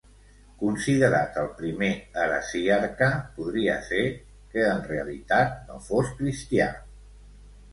Considerat el primer heresiarca, podria ser que en realitat no fos cristià.